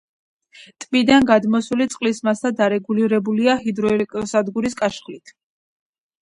ტბიდან გადმოსული წყლის მასა დარეგულირებულია ჰიდროელექტროსადგურის კაშხლით.